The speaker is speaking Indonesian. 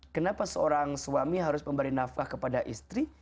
kenapa seorang suami harus memberi nafkah kepada istri